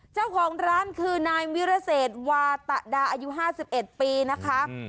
เจ้าของร้านคือนายวิรเศษวาตะดาอายุ๕๑ปีนะคะ